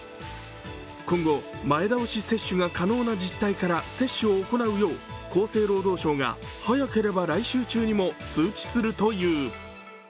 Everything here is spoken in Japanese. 今後、前倒し接種が可能な自治体から接種を行うよう、厚労省が早ければ来週中にも通知するという。